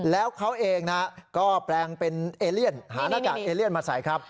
แล้วเขาเองก็แปลงเป็นเอเลียนหาหน้ากากเอเลียนมาใส่ครับ